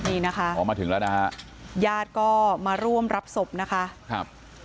ออกมาถึงแล้วนะคะญาติก็มาร่วมรับศพนะคะ